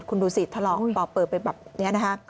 คุณดูสิทธิ์ทะเลาะป่าวเปิดไปแบบนี้